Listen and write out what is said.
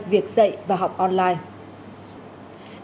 việc dạy và học online